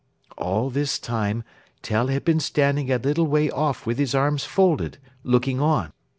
All this time Tell had been standing a little way off with his arms folded, looking on.